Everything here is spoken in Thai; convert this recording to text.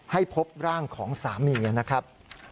ให้พบร่างของสามีนะครับ